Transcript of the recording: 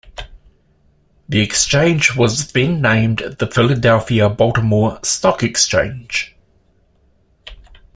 The exchange was then named the Philadelphia-Baltimore Stock Exchange.